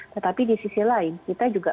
tetapi di sisi lain kita juga